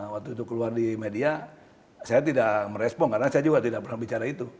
waktu itu keluar di media saya tidak merespon karena saya juga tidak pernah bicara itu